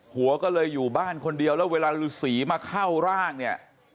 หัวก็เลยอยู่บ้านคนเดียวแล้วเวลาฤษีมาเข้าร่างเนี่ย